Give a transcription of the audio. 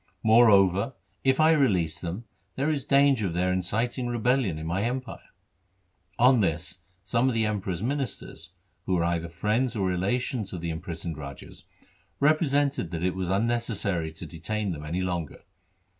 Moreover, if I release them, there is danger of their inciting rebel lion in my empire.' On this some of the Emperor's ministers, who were either friends or relations of the imprisoned rajas, represented that it was unnecessary to detain them any longer.